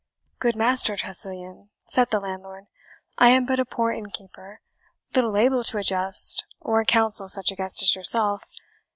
"Good Master Tressilian," said the landlord, "I am but a poor innkeeper, little able to adjust or counsel such a guest as yourself.